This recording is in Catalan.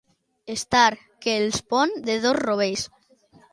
Estar que els pon de dos rovells.